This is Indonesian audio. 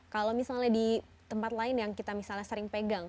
kalau misalnya di tempat lain yang kita misalnya sering pegang